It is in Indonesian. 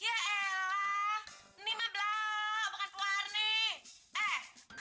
ya elah ini mah belakang bukan pewarna